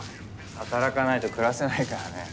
働かないと暮らせないからね。